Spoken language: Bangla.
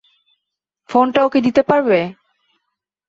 ফোনটা ওকে দিতে পারবে?